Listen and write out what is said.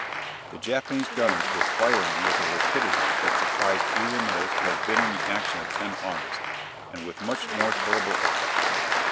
The Japanese gunners were firing with a rapidity that surprised even those who had been in the action of 10 August, and with much more terrible effect.